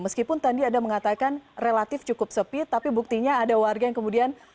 meskipun tadi anda mengatakan relatif cukup sepi tapi buktinya ada warga yang kemudian